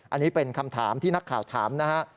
อันนี้เป็นคำถามที่นักข่าวถามนะฮะ